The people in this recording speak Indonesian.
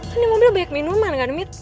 kan di mobil banyak minuman kan mits